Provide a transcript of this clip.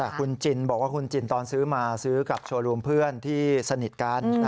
แต่คุณจินบอกว่าคุณจินตอนซื้อมาซื้อกับโชว์รูมเพื่อนที่สนิทกัน